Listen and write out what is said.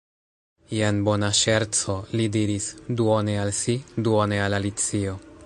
"Jen bona ŝerco," li diris, duone al si, duone al Alicio.